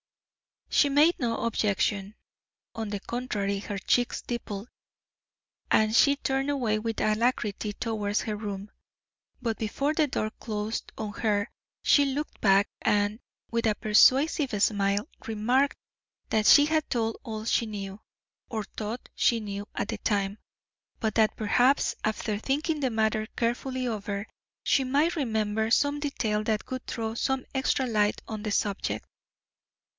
She made no objection. On the contrary her cheeks dimpled, and she turned away with alacrity towards her room. But before the door closed on her she looked back, and, with a persuasive smile, remarked that she had told all she knew, or thought she knew at the time. But that perhaps, after thinking the matter carefully over, she might remember some detail that would throw some extra light on the subject.